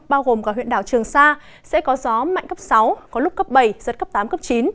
bao gồm cả huyện đảo trường sa sẽ có gió mạnh cấp sáu có lúc cấp bảy giật cấp tám cấp chín